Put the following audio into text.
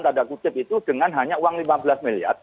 tanda kutip itu dengan hanya uang lima belas miliar